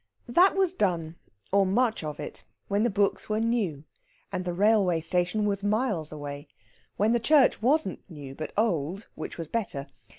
That was done, or much of it, when the books were new, and the railway station was miles away; when the church wasn't new, but old, which was better.